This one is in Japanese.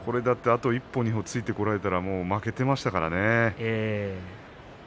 あと１歩、２歩突いてこられたら負けていましたからね。